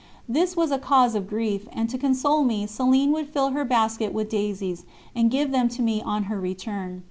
This was a cause of grief, and to console me Céline would fill her basket with daisies, and give them to me on her return.